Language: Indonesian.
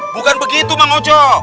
bukan begitu mang ojo